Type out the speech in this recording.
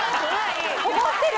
怒ってる！